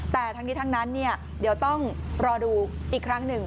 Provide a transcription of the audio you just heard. แต่ทั้งนี้ทั้งนั้นเดี๋ยวต้องรอดูอีกครั้งหนึ่ง